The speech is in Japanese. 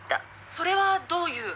「それはどういう？」